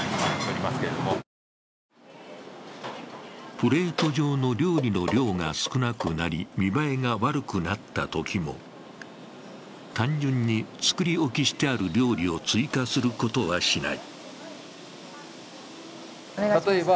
プレート上の料理の量が少なくなり、見栄えが悪くなったときも単純に作り置きしてある料理を追加することはしない。